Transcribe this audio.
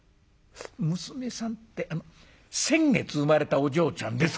「娘さんって先月生まれたお嬢ちゃんですか？」。